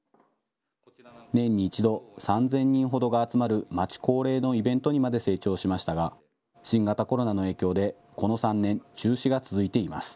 年に１度、３０００人ほどが集まる町恒例のイベントにまで成長しましたが新型コロナの影響でこの３年、中止が続いています。